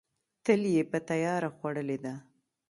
تل یې په تیاره خوړلې ده.